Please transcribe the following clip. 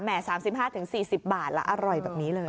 ๓๕๔๐บาทแล้วอร่อยแบบนี้เลย